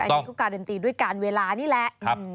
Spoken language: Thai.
อันนี้ก็การันตีด้วยการเวลานี่แหละ